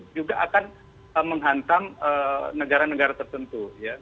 juga akan menghantam negara negara tertentu